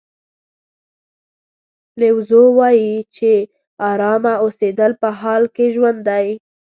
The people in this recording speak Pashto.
لیو زو وایي چې ارامه اوسېدل په حال کې ژوند دی.